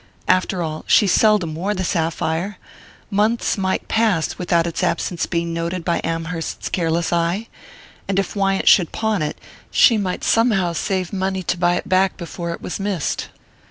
After all, she seldom wore the sapphire months might pass without its absence being noted by Amherst's careless eye; and if Wyant should pawn it, she might somehow save money to buy it back before it was missed.